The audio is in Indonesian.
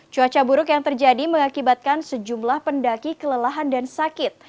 cuaca buruk yang terjadi mengakibatkan sejumlah pendaki kelelahan dan sakit